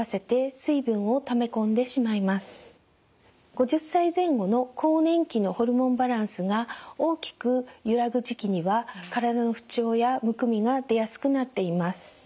５０歳前後の更年期のホルモンバランスが大きく揺らぐ時期には体の不調やむくみが出やすくなっています。